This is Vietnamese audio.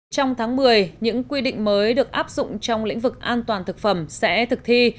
trong tháng một mươi những quy định mới được áp dụng trong lĩnh vực an toàn thực phẩm sẽ thực thi